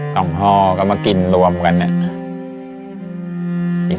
ห่อก็มากินรวมกันเนี่ย